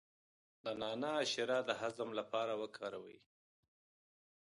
د نعناع شیره د هضم لپاره وکاروئ